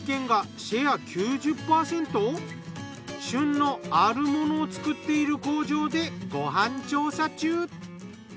旬のあるものを作っている工場でご飯調査中。